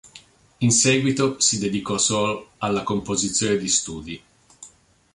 In seguito si dedicò solo alla composizione di studi.